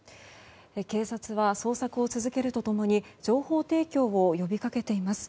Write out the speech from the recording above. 警察は捜索を続けると共に情報提供を呼びかけています。